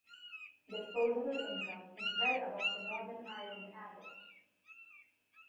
Disposable income is well above the Northern Ireland average.